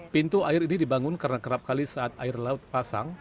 pintu air ini dibangun karena kerap kali saat air laut pasang